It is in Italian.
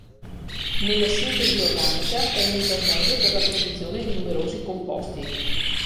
Nella sintesi organica, è un intermedio per la produzione di numerosi composti.